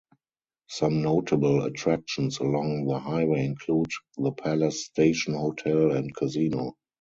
Some notable attractions along the highway include the Palace Station Hotel and Casino.